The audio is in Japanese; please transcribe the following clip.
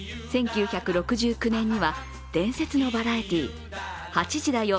１９６９年には、伝説のバラエティー「８時だョ！